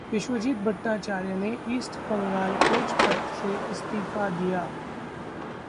विश्वजीत भट्टाचार्य ने East Bengal coach पद से इस्तीफा दिया